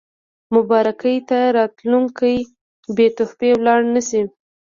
مبارکۍ ته راتلونکي بې تحفې لاړ نه شي.